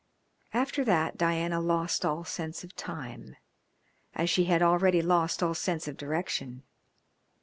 After that Diana lost all sense of time, as she had already lost all sense of direction.